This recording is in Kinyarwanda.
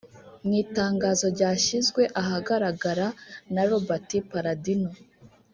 Mu itangazo ryashyizwe ahagaragara na Robert Palladino